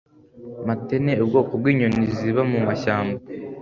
matene ubwoko bw'inyoni ziba muma shyamba